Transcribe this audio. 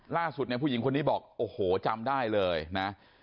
ล่าสุดเนี่ยผู้หญิงคนนี้บอกโอ้โหจำได้เลยนะ